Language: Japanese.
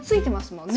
もんね